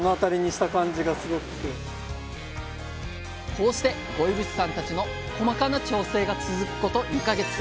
こうして五位渕さんたちの細かな調整が続くこと２か月。